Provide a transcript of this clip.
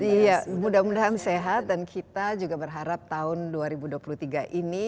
iya mudah mudahan sehat dan kita juga berharap tahun dua ribu dua puluh tiga ini